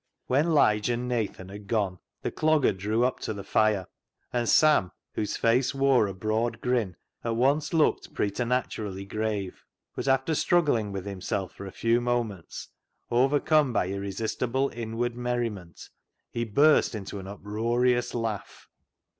When Lige and Nathan had gone, the Clogger drew up to the fire, and Sam, whose face wore a 232 CLOG SHOP CHRONICLES broad grin, at once looked preternaturally grave, but after struggling with himself for a few moments, overcome by irresistible inward merri ment, he burst into an uproarious laugh.